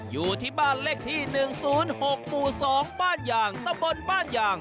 อยู่ที่บ้านเลขที่๑๐๖หมู่๒บ้านยางตะบนบ้านยาง